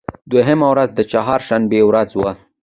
دوهمه ورځ د چهار شنبې ورځ وه.